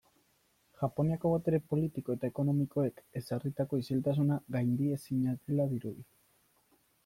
Japoniako botere politiko eta ekonomikoek ezarritako isiltasuna gaindiezina dela dirudi.